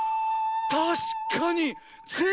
たしかに！